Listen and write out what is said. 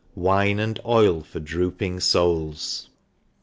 Wine and Oil for Drooping Souls.